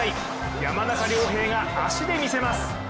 山中亮平が足で見せます。